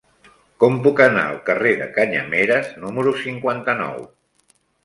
Com puc anar al carrer de Canyameres número cinquanta-nou?